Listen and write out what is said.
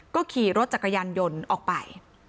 ก็ขี่รถจักรยานยนต์ออกไป